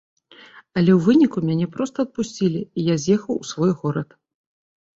Але ў выніку мяне проста адпусцілі, і я з'ехаў у свой горад.